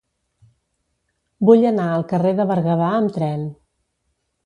Vull anar al carrer de Berguedà amb tren.